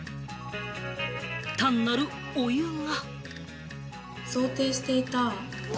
単なるお湯が。